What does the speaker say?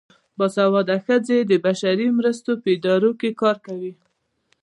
باسواده ښځې د بشري مرستو په ادارو کې کار کوي.